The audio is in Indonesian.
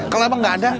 kalau emak gak ada